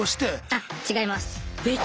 あっ違います。